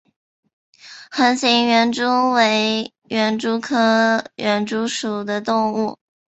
横形园蛛为园蛛科园蛛属的动物。